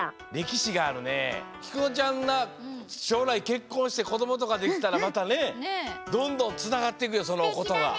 きくのちゃんがしょうらいけっこんしてこどもとかできたらまたねどんどんつながっていくよそのことが。